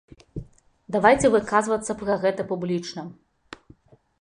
Давайце выказвацца пра гэта публічна!